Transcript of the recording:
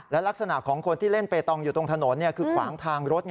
และลักษณะของคนที่เล่นเปตองอยู่ตรงถนนคือขวางทางรถ